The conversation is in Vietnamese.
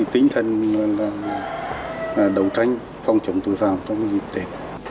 tinh thần đấu tranh phòng chống tội phạm trong dịp tết